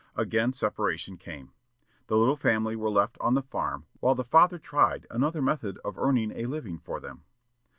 Again separation came. The little family were left on the farm while the father tried another method of earning a living for them.